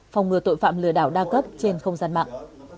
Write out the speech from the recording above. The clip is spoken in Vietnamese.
phòng ngừa tội phạm lừa đảo đa cấp trên không gian mạng